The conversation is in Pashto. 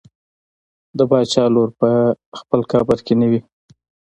د باچا لور په خپل قبر کې نه وي.